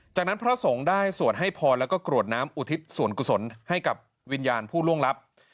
จากนั้นพระสงฆ์ได้สวดให้พรแล้วก็กรวดน้ำอุทิศส่วนกุศลให้กับวิญญาณผู้ล่วงลับ